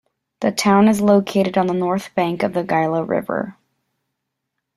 The town is located on the north bank of the Gila River.